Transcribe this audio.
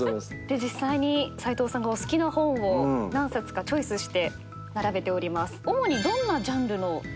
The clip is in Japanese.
で実際に斉藤さんがお好きな本を何冊かチョイスして並べております。